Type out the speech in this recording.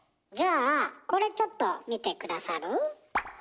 じゃあこれちょっと見て下さる？